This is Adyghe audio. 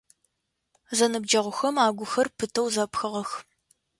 Зэныбджэгъухэм агухэр пытэу зэпхыгъэх.